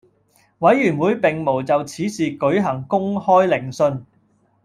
委員會並無就此事舉行公開聆訊